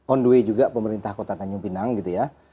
on the way juga pemerintah kota tanjung pinang gitu ya